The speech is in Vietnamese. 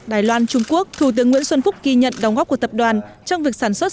đài loan trung quốc thủ tướng nguyễn xuân phúc ghi nhận đóng góp của tập đoàn trong việc sản xuất